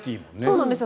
そうなんです。